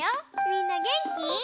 みんなげんき？